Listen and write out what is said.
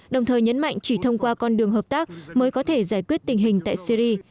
đồng thời nhấn mạnh chỉ thông qua con đường hợp tác mới có thể giải quyết tình hình tại syri